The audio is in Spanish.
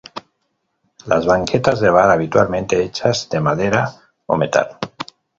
Las banquetas de bar habitualmente hechas de madera o metal.